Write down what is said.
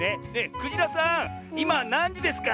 クジラさんいまなんじですか？